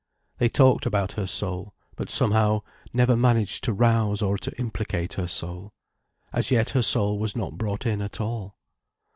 They talked about her soul, but somehow never managed to rouse or to implicate her soul. As yet her soul was not brought in at all.